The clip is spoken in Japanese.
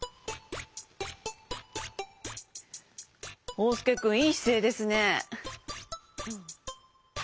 おうすけくんいいしせいですね。